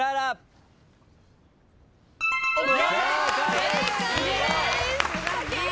正解です！